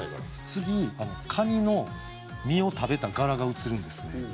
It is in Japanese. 次蟹の身を食べた殻が写るんですね。